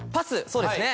そうですね。